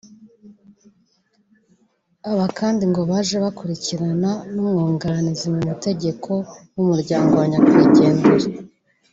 Aba kandi ngo baje bakurikirana n’umwunganizi mu mategeko w’umuryango wa nyakwigendera